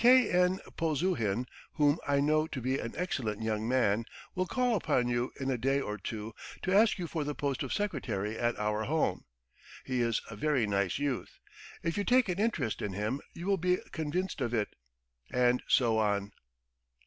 K. N. Polzuhin, whom I know to be an excellent young man, will call upon you in a day or two to ask you for the post of secretary at our Home. He is a very nice youth. If you take an interest in him you will be convinced of it." And so on.